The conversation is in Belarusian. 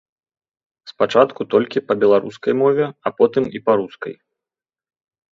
Спачатку толькі па беларускай мове, а потым і па рускай.